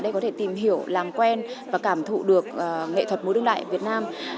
để có thể tìm hiểu làm quen và cảm thụ được nghệ thuật múa đương đại việt nam